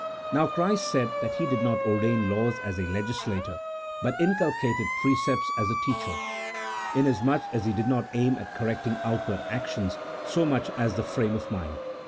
Now Christ said that He did not ordain laws as a legislator, but inculcated precepts as a teacher : inasmuch as He did not aim at correcting outward actions so much as the frame of mind.